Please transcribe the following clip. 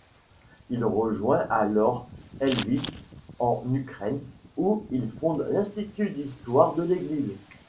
Il rejoint alors Lviv, en Ukraine, où il fonde l'Institut d'histoire de l'Église.